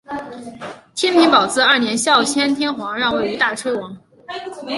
天平宝字二年孝谦天皇让位于大炊王。